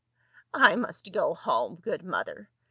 " I must go home, good mother